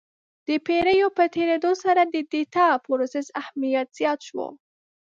د پېړیو په تېرېدو سره د ډیټا پروسس اهمیت زیات شو.